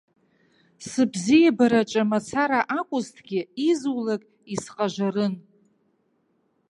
Сыбзиабараҿы мацара акәызҭгьы, изулак исҟажарын.